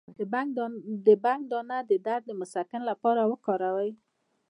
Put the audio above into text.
د بنګ دانه د درد د مسکن لپاره وکاروئ